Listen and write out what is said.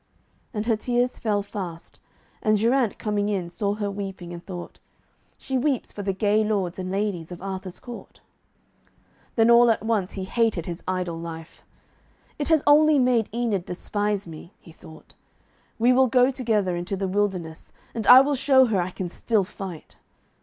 And her tears fell fast, and Geraint coming in, saw her weeping, and thought, 'She weeps for the gay lords and ladies of Arthur's court.' Then all at once he hated his idle life. 'It has only made Enid despise me,' he thought. 'We will go together into the wilderness, and I will show her I can still fight.'